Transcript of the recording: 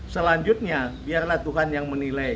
selanjutnya biarlah tuhan yang menilai